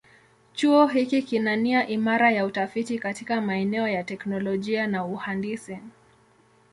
Chuo hiki kina nia imara ya utafiti katika maeneo ya teknolojia na uhandisi.